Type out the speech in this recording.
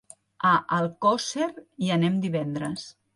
A Alcosser hi anem divendres.